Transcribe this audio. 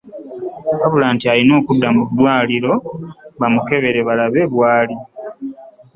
Wabula nti alina okudda mu ddwaaliro bamukebere okulaba bw'ali.